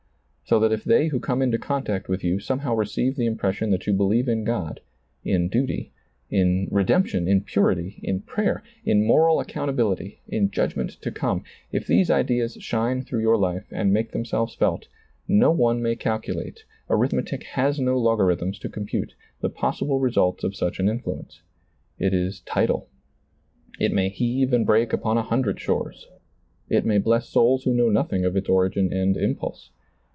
So that if they who come into contact with you somehow receive the impression that you believe in God, in duty, in DiailizccbvGoOgle 138 SEEING DARKLY redemption, in purity, in prayer, in moral ac countability, in judgment to come — if these ideas shine through your life and make themselves felt, no one may calculate, arithmetic has no I(^arithms to compute, the possible results of such an influence. It is tidal. It may heave and break upon a hundred shores. It may bless souls who know nothing of its origin and impulse.